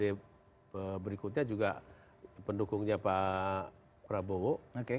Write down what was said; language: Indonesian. di berikutnya juga pendukungnya pak prabowo